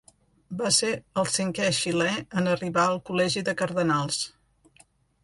Va ser el cinquè xilè en arribar al Col·legi de Cardenals.